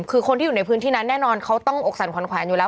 คือคนที่อยู่ในพื้นที่นั้นแน่นอนเขาต้องอกสั่นขวัญแขวนอยู่แล้ว